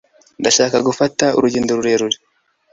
ndashaka gufata urugendo rurerure